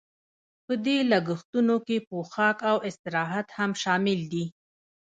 په دې لګښتونو کې پوښاک او استراحت هم شامل دي